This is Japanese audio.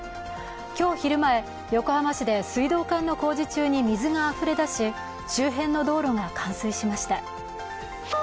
今日昼前、横浜市で水道管の工事中に水があふれ出し周辺の道路が冠水しました。